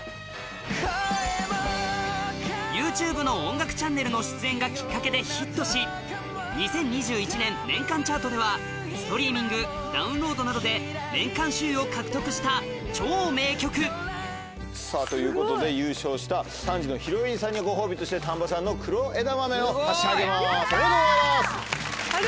ＹｏｕＴｕｂｅの音楽チャンネルの出演がきっかけでヒットし２０２１年年間チャートではストリーミングダウンロードなどで年間首位を獲得した超名曲さぁということで優勝した３時のヒロインさんにはご褒美として丹波産の黒枝豆を差し上げます。